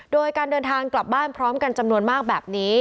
โดยการเดินทางกลับบ้านพร้อมกันจำนวนมากแบบนี้